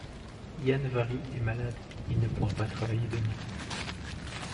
Yann-Vari est malade, il ne pourra pas travailler demain.